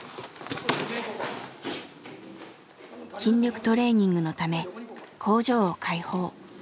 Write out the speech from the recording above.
筋力トレーニングのため工場を開放。